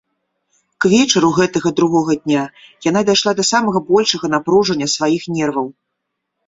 К вечару гэтага другога дня яна дайшла да самага большага напружання сваіх нерваў.